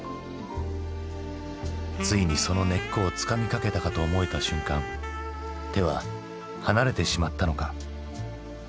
ついにその根っこをつかみかけたかと思えた瞬間手は離れてしまったのか？